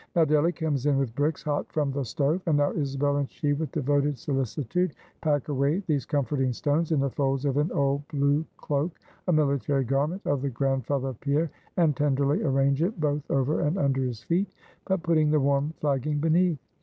Now Delly comes in with bricks hot from the stove; and now Isabel and she with devoted solicitude pack away these comforting stones in the folds of an old blue cloak, a military garment of the grandfather of Pierre, and tenderly arrange it both over and under his feet; but putting the warm flagging beneath.